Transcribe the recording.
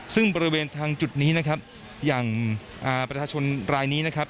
ซึ่งบริเวณทางจุดนี้นะครับอย่างประชาชนรายนี้นะครับ